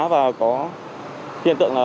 và có hiện tượng